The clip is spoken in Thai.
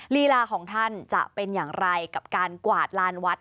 ลีลาของท่านจะเป็นอย่างไรกับการกวาดลานวัด